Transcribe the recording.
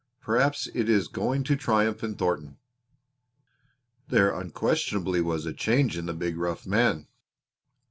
Perhaps it is going to triumph in Thornton." There unquestionably was a change in the big rough man.